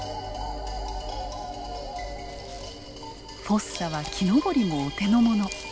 フォッサは木登りもお手の物。